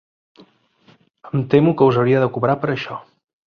Em temo que us hauria de cobrar per això.